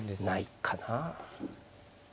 ないかな。